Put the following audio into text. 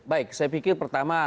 baik saya pikir pertama